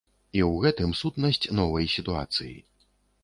І ў гэтым сутнасць новай сітуацыі.